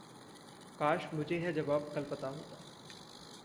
काश मुझे यह जवाब कल पता होता!